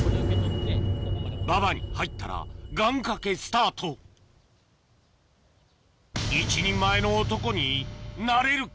馬場に入ったら願掛けスタート一人前の男になれるか？